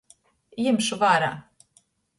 Jimšu vārā.